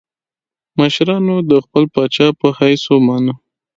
مشرانو د خپل پاچا په حیث ومانه.